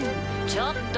ちょっと。